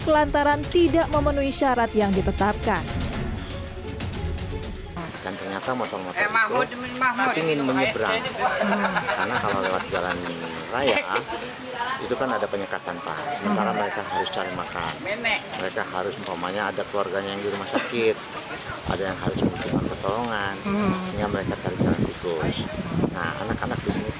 kelantaran tidak memenuhi syarat yang ditetapkan